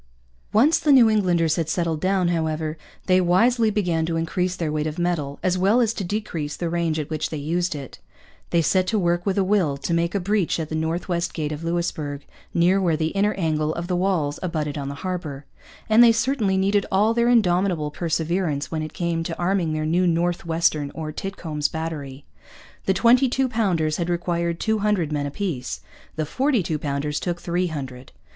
Once the New Englanders had settled down, however, they wisely began to increase their weight of metal, as well as to decrease the range at which they used it. They set to work with a will to make a breach at the North West Gate of Louisbourg, near where the inner angle of the walls abutted on the harbour; and they certainly needed all their indomitable perseverance when it came to arming their new 'North Western' or 'Titcomb's Battery.' The twenty two pounders had required two hundred men apiece. The forty two pounders took three hundred.